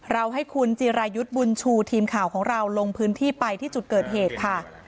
ให้คุณจิรายุทธ์บุญชูทีมข่าวของเราลงพื้นที่ไปที่จุดเกิดเหตุค่ะ